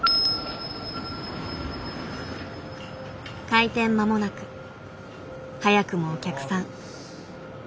開店間もなく早くもお客さん。